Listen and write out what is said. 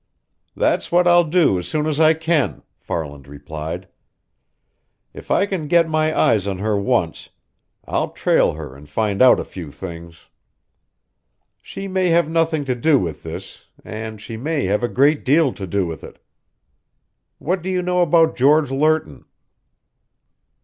"That's what I'll do as soon as I can," Farland replied. "If I can get my eyes on her once, I'll trail her and find out a few things. She may have nothing to do with this, and she may have a great deal to do with it. What do you know about George Lerton?"